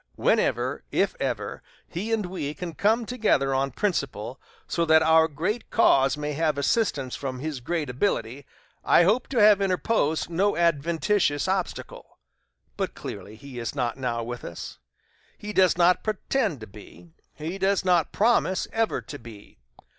Whenever, if ever, he and we can come together on principle so that our great cause may have assistance from his great ability, I hope to have interposed no adventitious obstacle. But, clearly, he is not now with us he does not pretend to be he does not promise ever to be.